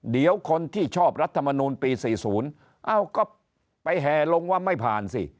เดี๋ยวคนที่ชอบรัฐมนูลปี๔๐เอ้าก็ไปแห่ลงว่าไม่ผ่านสิ